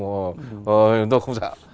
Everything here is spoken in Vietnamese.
ôi chúng tôi không sợ